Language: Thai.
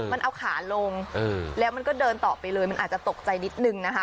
มันเอาขาลงแล้วมันก็เดินต่อไปเลยมันอาจจะตกใจนิดนึงนะคะ